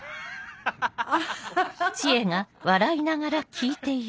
ハハハハ。